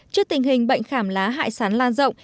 trước tình hình bệnh khảm lá hại sắn lan rộng